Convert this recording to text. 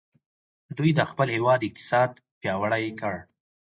دوی د خپل هیواد اقتصاد پیاوړی کړ.